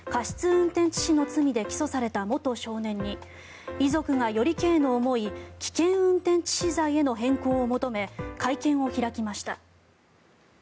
運転致死の罪で起訴された元少年に遺族が、より刑の重い危険運転致死罪への変更を求め会見を開きました。